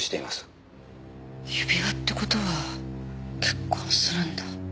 指輪って事は結婚するんだ。